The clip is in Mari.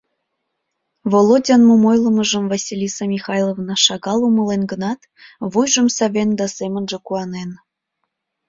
Володян мом ойлымыжым Василиса Михайловна шагал умылен гынат, вуйжым савен да семынже куанен.